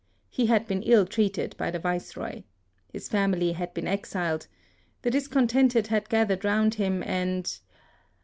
He had been ill treated by the Viceroy. His family had been exiled. The discontented had gathered round him, and